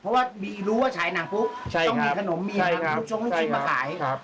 ว่ารู้ว่าฉายหนังปุ๊บต้องมีขนมต้องกินมาก่าย